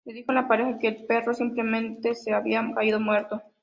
Le dijo a la pareja que el perro simplemente se había caído muerto.